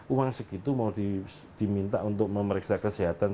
uang segitu mau diminta untuk memeriksa kesehatan